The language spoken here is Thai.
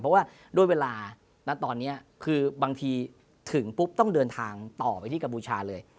เพราะว่าด้วยเวลาณตอนนี้คือบางทีถึงปุ๊บต้องเดินทางต่อไปที่กัมพูชาเลย